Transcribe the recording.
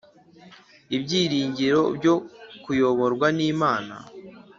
Ibyiringiro byo kuyoborwa n'Imana